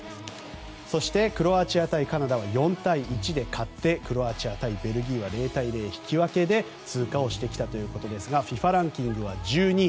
そして、クロアチア対カナダは４対１で勝ってクロアチア対ベルギーは０対０の引き分けで通過してきたということですがＦＩＦＡランキングは１２位。